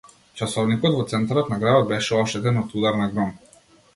Часовникот во центарот на градот беше оштетен од удар на гром.